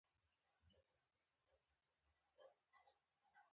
خور له تنهایۍ سره عادت نه لري.